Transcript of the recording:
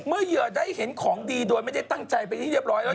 เหยื่อได้เห็นของดีโดยไม่ได้ตั้งใจไปที่เรียบร้อยแล้ว